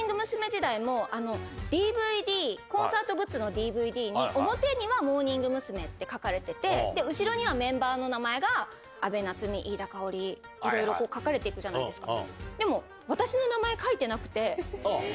時代も、ＤＶＤ、コンサートグッズのＤＶＤに、表にはモーニング娘。って書かれてて、後ろにはメンバーの名前が、安倍なつみ、飯田圭織、いろいろ書かれていくじゃないですか。